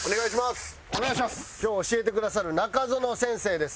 今日教えてくださる中園先生です。